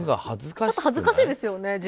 恥ずかしいですよね